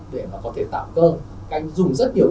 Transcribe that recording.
để mà có thể tạo cơ